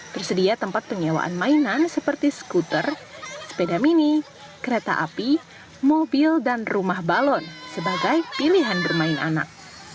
tersedia tempat penyewaan mainan seperti skuter sepeda mini kereta api mobil dan rumah balon sebagai pilihan bermain anak